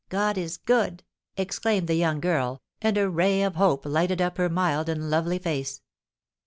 God is good!" exclaimed the young girl, and a ray of hope lighted up her mild and lovely face.